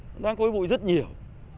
nó đang khói bụi rất nhiều